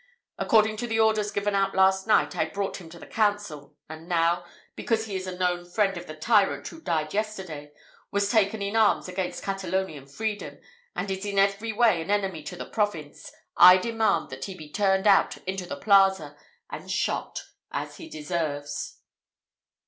According to the orders given out last night, I brought him to the council, and now, because he is a known friend of the tyrant who died yesterday, was taken in arms against Catalonian freedom, and is in every way an enemy to the province, I demand that he be turned out into the Plaza, and shot, as he deserves."